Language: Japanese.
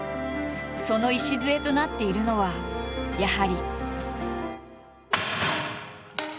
その礎となっているのはやはり。